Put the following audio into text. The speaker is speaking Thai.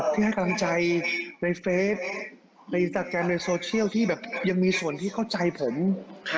ที่ให้กำลังใจในเฟสในในที่แบบยังมีส่วนที่เข้าใจผมค่ะ